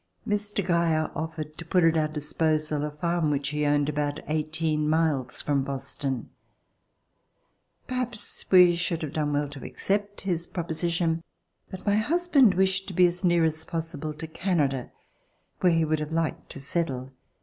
Mr. Geyer ofifered to put at our disposal a farm which he owned about eighteen miles from Boston. Perhaps we should have done well to accept his proposition, but my husband wished to be as near as possible to Canada, where he would have liked to settle.